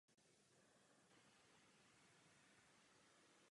Zadruhé, kvůli své povinnosti veřejného ochránce práv podpořit.